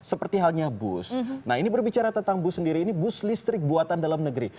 seperti halnya bus nah ini berbicara tentang bus sendiri ini bus listrik buatan dalam negeri